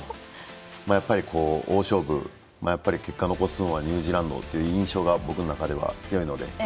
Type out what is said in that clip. やっぱり大勝負で結果を残すのはニュージーランドという印象が僕の中では強いので。